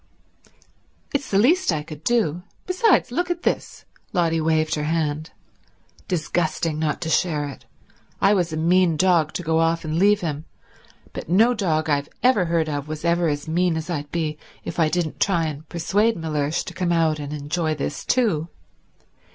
"It's the least I could do. Besides—look at this." Lotty waived her hand. "Disgusting not to share it. I was a mean dog to go off and leave him, but no dog I've every heard of was ever as mean as I'd be if I didn't try and persuade Mellersh to come out and enjoy this too.